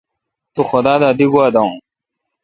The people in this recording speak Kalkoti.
تو خدا دا دی گوا داوین۔